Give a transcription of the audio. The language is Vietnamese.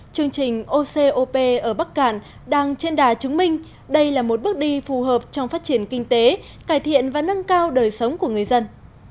chương trình ocop ở bắc cạn đang trên đà chứng minh đây là một bước đi phù hợp trong phát triển kinh tế cải thiện và nâng cao đời sống của người dân